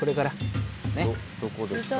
どこですか？